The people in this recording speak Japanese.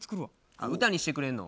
あっ歌にしてくれんの？